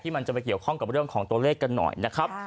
มันจะไปเกี่ยวข้องกับเรื่องของตัวเลขกันหน่อยนะครับ